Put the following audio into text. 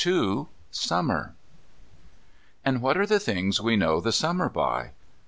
II SUMMER And what are the things we know the Summer by?